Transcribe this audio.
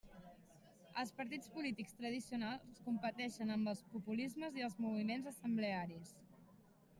Els partits polítics tradicionals competeixen amb els populismes i els moviments assemblearis.